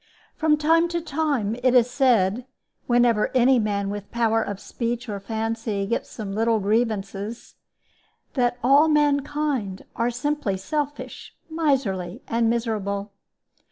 From time to time it is said (whenever any man with power of speech or fancy gets some little grievances) that all mankind are simply selfish, miserly, and miserable.